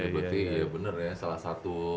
berarti ya benar ya salah satu